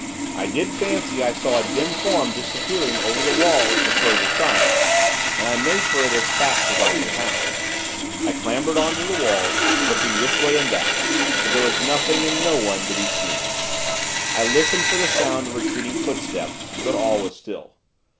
I did fancy I saw a dim form disappearing over the wall at the further side, and I made for it as fast as I knew how. I clambered on to the wall, looking this way and that, but there was nothing and no one to be seen. I listened for the sound of retreating footsteps, but all was still.